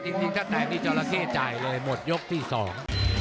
จรับแตกนี่จรรคเกษตร์จ่ายเลยมดยกที่สอง